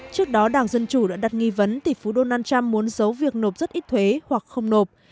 trước đó đảng dân chủ đã đặt nghi vấn thì phú donald trump muốn giấu việc nộp rất ít hoặc không nộp